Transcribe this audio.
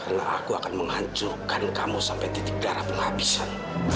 karena aku akan menghancurkan kamu sampai titik darah penghabisan